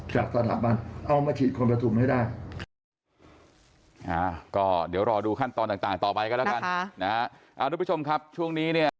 จากตอบมาเอามาฉีดความประทุมให้ได้